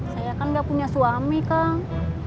saya kan gak punya suami kang